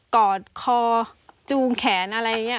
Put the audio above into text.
กอดคอจูงแขนอะไรอย่างนี้